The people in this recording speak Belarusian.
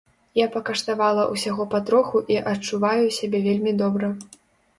Я пакаштавала ўсяго патроху і адчуваю сябе вельмі добра.